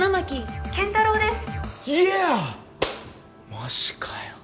マジかよ。